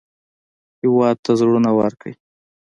هېواد ته زړونه ورکړئ